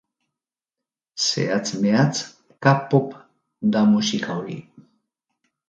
Zehatz mehatz K-pop da musika hori.